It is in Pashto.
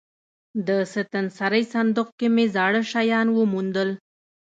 د ستنسرۍ صندوق کې مې زاړه شیان وموندل.